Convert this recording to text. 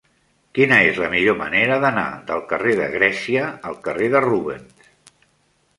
Quina és la millor manera d'anar del carrer de Grècia al carrer de Rubens?